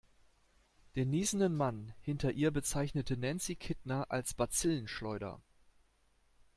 Den niesenden Mann hinter ihr bezeichnete Nancy Kittner als Bazillenschleuder.